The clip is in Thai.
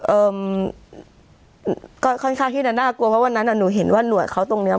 เอ่อก็ค่อนข้างที่จะน่ากลัวเพราะวันนั้นอ่ะหนูเห็นว่าหน่วยเขาตรงเนี้ย